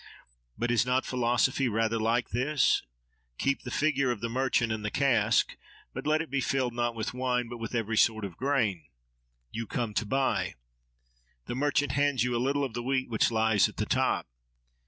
But is not philosophy rather like this? Keep the figure of the merchant and the cask: but let it be filled, not with wine, but with every sort of grain. You come to buy. The merchant hands you a little of the wheat which lies at the top.